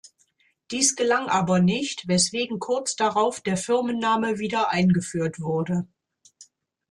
Dies gelang aber nicht, weswegen kurz darauf der Firmenname wiedereingeführt wurde.